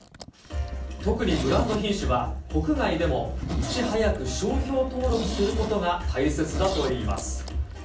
特にブランド品種は、国外でもいち早く商標登録することが大切だといいます。